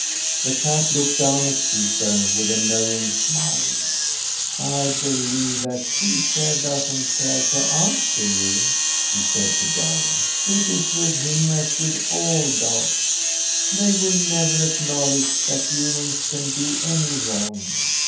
The cat looked down at Caesar with a knowing smile. "I believe that Caesar doesn't care to answer you," she said to Jarro. "It is with him as with all dogs; they will never acknowledge that humans can do any wrong.